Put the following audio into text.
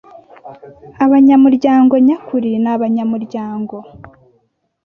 abanyamuryango nyakuri ni abanyamuryango